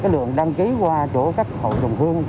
lượng đăng ký qua chỗ khách hội đồng hương